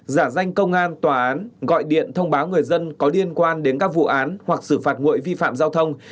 giả danh công an tòa án gọi điện thông báo người dân có liên quan đến các vụ án hoặc xử phạt nguội vi phạm giao thông